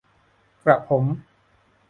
กระผม